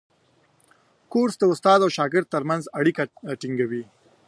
کورس د استاد او شاګرد ترمنځ اړیکه ټینګوي.